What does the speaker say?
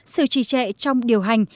sự trì trệ trong điều hành